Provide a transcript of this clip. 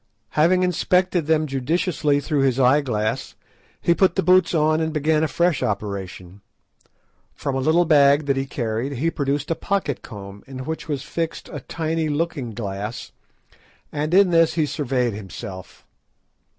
Having inspected them judiciously through his eye glass, he put the boots on and began a fresh operation. From a little bag that he carried he produced a pocket comb in which was fixed a tiny looking glass, and in this he surveyed himself.